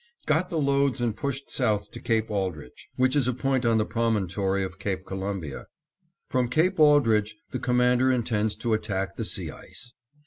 Got the loads and pushed south to Cape Aldrich, which is a point on the promontory of Cape Columbia. From Cape Aldrich the Commander intends to attack the sea ice.